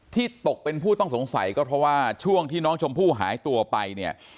ตกเป็นผู้ต้องสงสัยก็เพราะว่าช่วงที่น้องชมพู่หายตัวไปเนี่ย